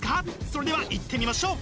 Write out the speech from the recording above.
それではいってみましょう！